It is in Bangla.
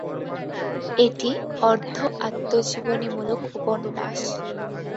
এটি অর্ধ-আত্মজীবনীমূলক উপন্যাস।